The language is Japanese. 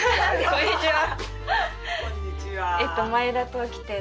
こんにちは。